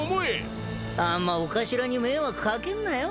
あんま御頭に迷惑掛けんなよ